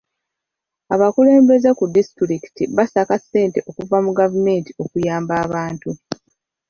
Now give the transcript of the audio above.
Abakulembeze ku disitulikiti baasaka ssente okuva mu gavumenti okuyamba abantu.